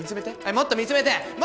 もっと見つめて！